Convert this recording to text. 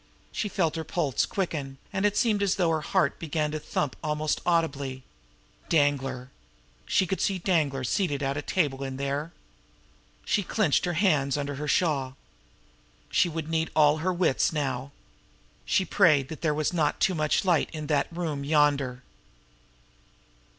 She felt her pulse quicken, and it seemed as though her heart began to thump almost audibly. Danglar! She could see Danglar seated at a table in there. She clenched her hands under her shawl. She would need all her wits now. She prayed that there was not too much light in that room yonder.